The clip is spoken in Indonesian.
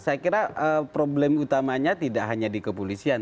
saya kira problem utamanya tidak hanya dikeputuskan